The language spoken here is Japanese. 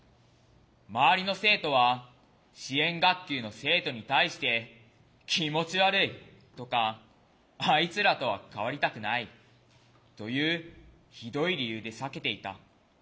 周りの生徒は支援学級の生徒に対して「気持ち悪い」とか「あいつらとは関わりたくない」というひどい理由で避けていた。